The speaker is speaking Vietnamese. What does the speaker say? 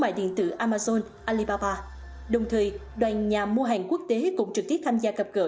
mại điện tử amazon alibaba đồng thời đoàn nhà mua hàng quốc tế cũng trực tiếp tham gia gặp gỡ